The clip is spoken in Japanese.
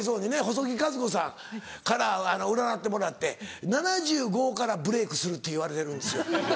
細木和子さんから占ってもらって７５歳からブレークするって言われてるんですよ。